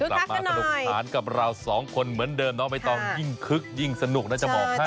สนุกฐานกับเราสองคนเหมือนเดิมน้องไม่ต้องยิ่งคึกยิ่งสนุกน่าจะบอกให้